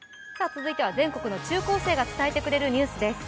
次は、全国の中高生が伝えてくれるニュースです。